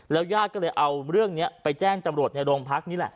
ญาติก็เลยเอาเรื่องนี้ไปแจ้งจำรวจในโรงพักนี่แหละ